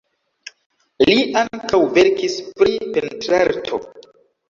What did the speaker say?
Li ankaŭ verkis pri pentrarto.